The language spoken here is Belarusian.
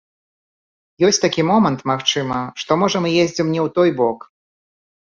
Ёсць такі момант, магчыма, што, можа, мы ездзім не ў той бок.